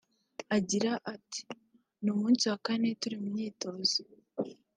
Agira ati“ Ni umunsi wa kane turi mu myitozo